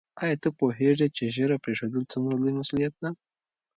آیا ته پوهېږې چې ږیره پرېښودل څومره لوی مسؤلیت دی؟